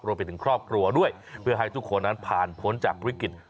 รวมไปถึงครอบครัวด้วยเพื่อให้ทุกคนนั้นผ่านพ้นจากวิกฤต